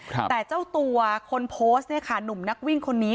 แต่เจ้าตัวคนโพสต์เนี่ยค่ะหนุ่มนักวิ่งคนนี้